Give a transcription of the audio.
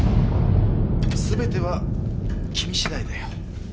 全ては君しだいだよ。